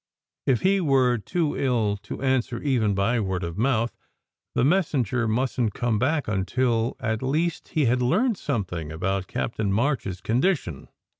If he were too ill to answer even by word of mouth, the messenger mustn t come back until at least he had learned something about Captain March s condition.